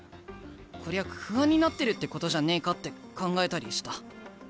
こりゃ不安になってるってことじゃねえかって考えたりした。